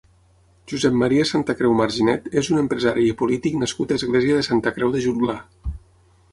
Josep Maria Santacreu Marginet és un empresari i polític nascut a Església de Santa Creu de Jutglar.